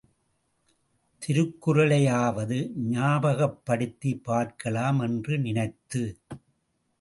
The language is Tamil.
திருக்குறளையாவது ஞாபகப்படுத்திப் பார்க்கலாம் என்று நினைத்து.